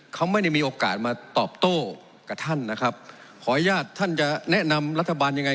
เขาไม่ได้มีโอกาสมาตอบโต้กับท่านนะครับขออนุญาตท่านจะแนะนำรัฐบาลยังไง